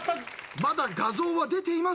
まだ画像は出ていません。